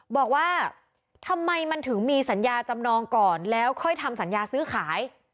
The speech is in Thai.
บอกว่าทำไมมันถึงมีสัญญาจำนองก่อนแล้วค่อยทำสัญญาซื้อขาย